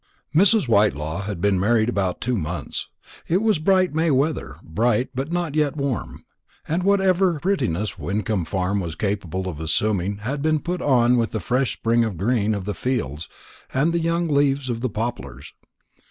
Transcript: Mrs. Whitelaw had been married about two months. It was bright May weather, bright but not yet warm; and whatever prettiness Wyncomb Farm was capable of assuming had been put on with the fresh spring green of the fields and the young leaves of the poplars.